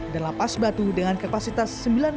dan lapas batu dengan kapasitas sembilan puluh enam